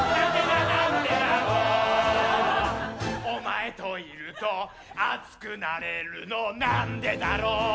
「お前といると熱くなれるのなんでだろう」